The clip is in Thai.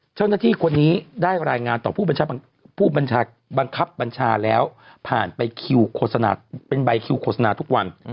เจ้าหน้าที่คนนี้ได้รายงานต่อผู้บังคับบัญชาแล้วผ่านไปคิวโฆษณาเป็นใบคิวโฆษณาทุกวัน